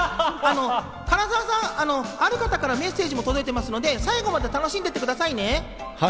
唐沢さん、ある方からメッセージも届いていますので、最後まで楽しんでいってくださいね。